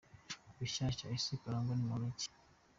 Rushyashya :Ese Karangwa ni umunti ki ?